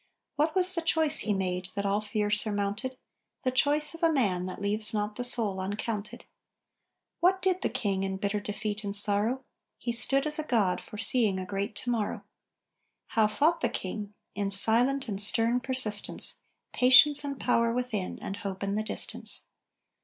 What was the choice he made, that all fear surmounted? The choice of a man that leaves not the soul uncounted. What did the King, in bitter defeat and sorrow? He stood as a god, foreseeing a great to morrow. How fought the King? In silent and stern persistence; Patience and power within, and hope in the distance.